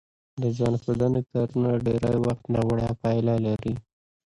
د ځان ښودنې کارونه ډېری وخت ناوړه پایله لري